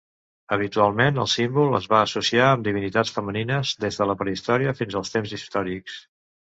Habitualment, el símbol es va associar amb divinitats femenines, des de la prehistòria fins als temps històrics.